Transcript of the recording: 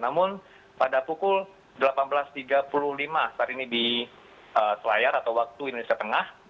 namun pada pukul delapan belas tiga puluh lima saat ini di selayar atau waktu indonesia tengah